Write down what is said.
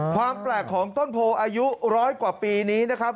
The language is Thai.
ความแปลกของต้นโพอายุร้อยกว่าปีนี้นะครับ